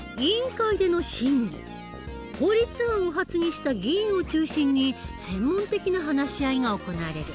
法律案を発議した議員を中心に専門的な話し合いが行われる。